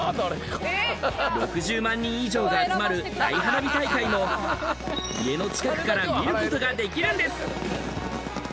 ６０万人以上が集まる大花火大会も家の近くから見ることができるんです。